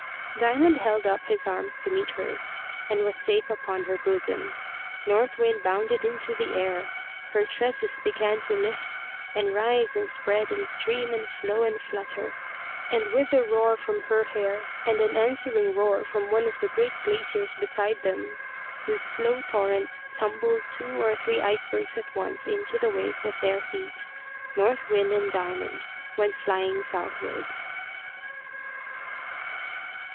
Diamond held up his arms to meet hers, and was safe upon her bosom. North Wind bounded into the air. Her tresses began to lift and rise and spread and stream and flow and flutter; and with a roar from her hair and an answering roar from one of the great glaciers beside them, whose slow torrent tumbled two or three icebergs at once into the waves at their feet, North Wind and Diamond went flying southwards.